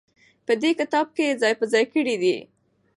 په دې کتاب کې يې ځاى په ځاى کړي دي.